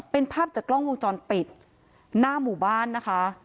เป็นภาพจากกล้องวงจรปิดหน้าหมู่บ้านนะคะ